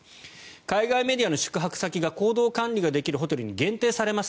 海外メディアの宿泊先が行動管理ができるホテルに限定されます。